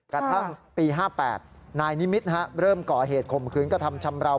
กระทั่งปี๕๘นายนิมิตรเริ่มก่อเหตุข่มขืนกระทำชำราว